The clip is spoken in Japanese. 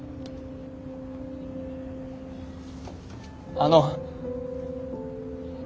あの。